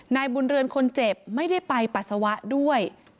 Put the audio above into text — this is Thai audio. นายบุญเรือนคนเจ็บไม่ได้ไปปัสสาวะด้วย